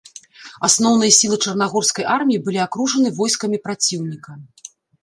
Асноўныя сілы чарнагорскай арміі былі акружаны войскамі праціўніка.